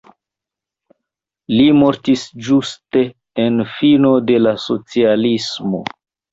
Li mortis ĝuste en fino de la socialismo.